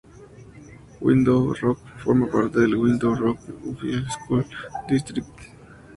Window Rock forma parte del Window Rock Unified School District.